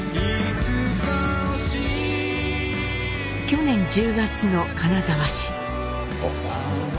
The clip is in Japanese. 去年１０月の金沢市。